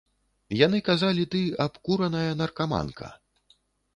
Яны казалі, ты — абкураная наркаманка.